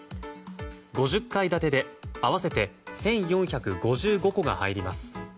５０階建てで合わせて１４５５戸が入ります。